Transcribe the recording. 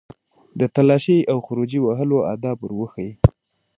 د تالاشۍ او خروجي وهلو آداب ور وښيي.